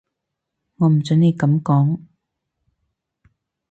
我唔準你噉講